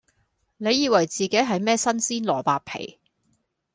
你以為自己係咩新鮮蘿蔔皮